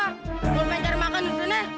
lu pengen cari makan disini